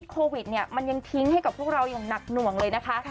โควิดเนี่ยมันยังทิ้งให้กับพวกเราอย่างหนักหน่วงเลยนะคะ